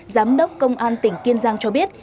giám đốc công an tỉnh kiên giang cho biết